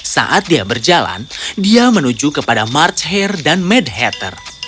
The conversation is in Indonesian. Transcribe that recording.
saat dia berjalan dia menuju kepada much hair dan mad hatter